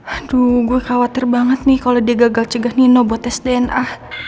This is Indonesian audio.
aduh gue khawatir banget nih kalau dia gagal cegah nino buat tes dna